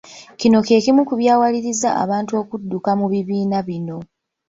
Kino kyekimu ku byawaliriza abantu okudduka mu bibiina bino.